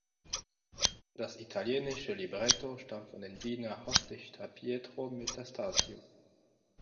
Das italienische Libretto stammt von dem Wiener Hofdichter Pietro Metastasio.